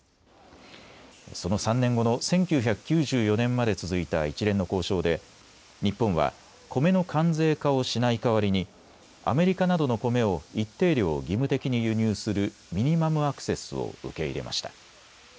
その３年後の１９９４年まで続いた一連の交渉で日本はコメの関税化をしない代わりにアメリカなどのコメを一定量義務的に輸入するミニマムアクセスを受け入れました。